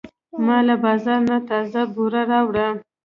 ما له بازار نه تازه بوره راوړه.